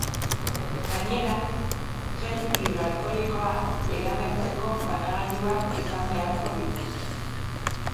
Gainera, gel hidroalkoholikoa erabailtzeko banagailuak izan beharko dituzte.